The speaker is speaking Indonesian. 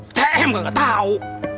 atm kagak tau